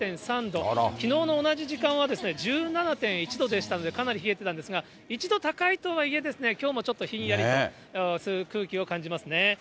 きのうの同じ時間はですね、１７．１度でしたので、かなり冷えてたんですが、１度高いとはいえ、きょうもちょっとひんやりとする空気を感じますね。